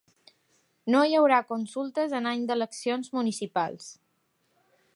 No hi haurà consultes en any d’eleccions municipals.